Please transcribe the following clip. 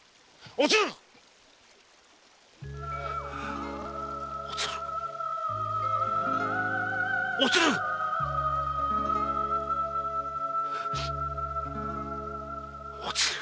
おつる‼おつるおつる‼おつる！